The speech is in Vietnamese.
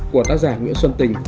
của tác giả nguyễn xuân tình